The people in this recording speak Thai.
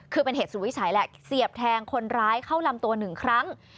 คือเป็นเหตุสุดวิสัยแหละเสียบแทงคนร้ายเข้าลำตัวหนึ่งครั้ง